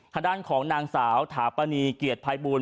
ทางด้านของนางสาวถาปนีเกียรติภัยบูล